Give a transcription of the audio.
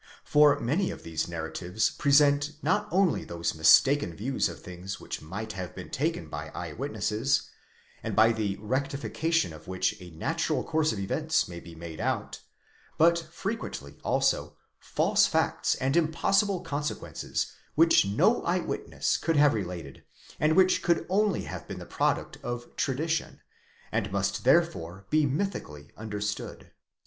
For many of these narratives present not only those mistaken views of things which might have been taken by eye witnesses, and by the rectification of which a natural course of events may be made out; but frequently, also, false facts and im possible consequences which no eye witness could have related, and which could only have been the product of tradition, and must therefore be mythi cally understood.!